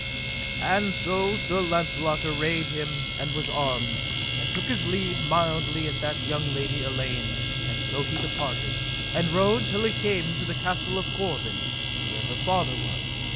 And so Sir Launcelot arrayed him and was armed, and took his leave mildly at that young lady Elaine; and so he departed, and rode till he came to the Castle of Corbin, where her father was.